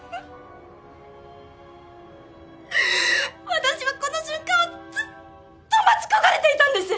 私はこの瞬間をずっと待ち焦がれていたんです！